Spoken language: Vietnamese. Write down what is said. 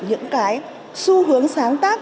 những cái xu hướng sáng tác